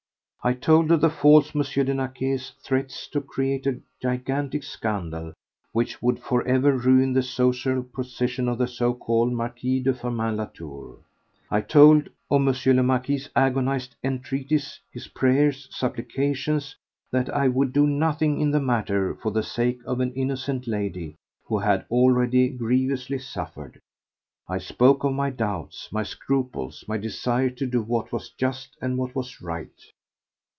I told of the false M. de Naquet's threats to create a gigantic scandal which would forever ruin the social position of the so called Marquis de Firmin Latour. I told of M. le Marquis's agonized entreaties, his prayers, supplications, that I would do nothing in the matter for the sake of an innocent lady who had already grievously suffered. I spoke of my doubts, my scruples, my desire to do what was just and what was right.